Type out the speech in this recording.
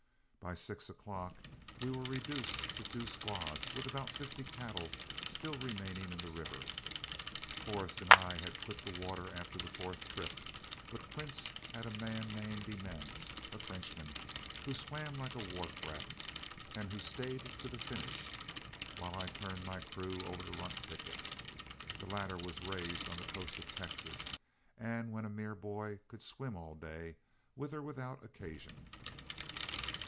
By six o'clock we were reduced to two squads, with about fifty cattle still remaining in the river. Forrest and I had quit the water after the fourth trip; but Quince had a man named De Manse, a Frenchman, who swam like a wharf rat and who stayed to the finish, while I turned my crew over to Runt Pickett. The latter was raised on the coast of Texas, and when a mere boy could swim all day, with or without occasion.